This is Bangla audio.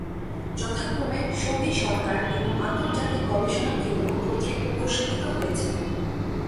যথাক্রমে সৌদি সরকার এবং আন্তর্জাতিক গবেষণা কেন্দ্র কর্তৃক পুরষ্কৃত হয়েছে।